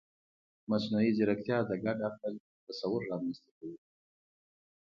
مصنوعي ځیرکتیا د ګډ عقل تصور رامنځته کوي.